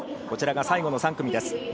こちらが最後の３組です。